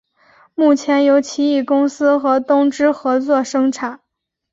目前由奇异公司和东芝合作生产。